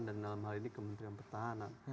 dan dalam hal ini kementerian pertahanan